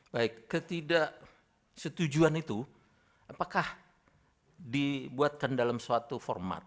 baik ketidaksetujuan itu apakah dibuatkan dalam suatu format